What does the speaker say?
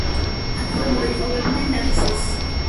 აქვე მოიპოვებდნენ ნახშირს.